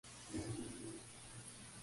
Hideaki Ozawa